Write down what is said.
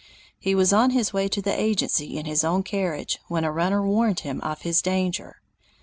He was on his way to the agency in his own carriage when a runner warned him of his danger.